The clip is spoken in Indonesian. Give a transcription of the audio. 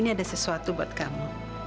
ini ada sesuatu buat kamu